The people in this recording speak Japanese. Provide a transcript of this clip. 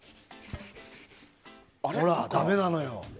ほら、ダメなのよ。